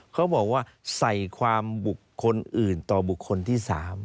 เขาบอกว่าใส่ความบุคคลอื่นต่อบุคคลที่๓